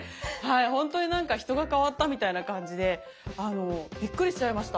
ほんとになんか人が変わったみたいな感じでびっくりしちゃいました。